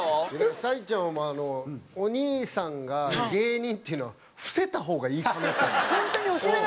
沙莉ちゃんもお兄さんが芸人っていうのは伏せた方がいい可能性あるよ。